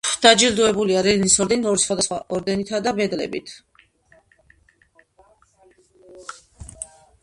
დაჯილდოებულია ლენინის ორდენით, ორი სხვა ორდენითა და მედლებით.